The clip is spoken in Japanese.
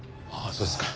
そうですか。